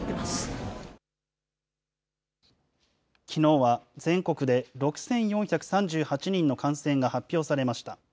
きのうは全国で６４３８人の感染が発表されました。